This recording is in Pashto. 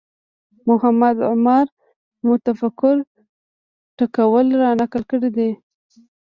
محمد عماره متفکر ټکول رانقل کړی دی